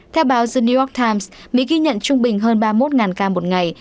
theo báo zen new york times mỹ ghi nhận trung bình hơn ba mươi một ca một ngày